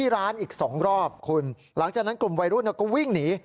ร้านอีก๒รอบคุณหลังจากนั้นกลุ่มวัยรุ่นก็วิ่งหนี